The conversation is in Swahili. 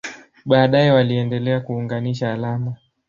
Baadaye waliendelea kuunganisha alama.